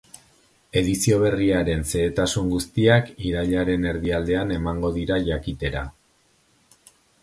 Edizio berriaren zehetasun guztiak irailaren erdialdean emango dira jakitera.